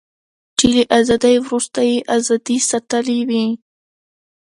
چې له ازادۍ وروسته یې ازادي ساتلې وي.